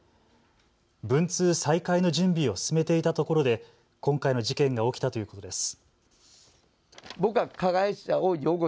文通再開の準備を進めていたところで今回の事件が起きたということです。